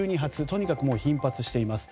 とにかく頻発しています。